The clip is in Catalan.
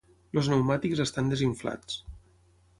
Els pneumàtics estan desinflats.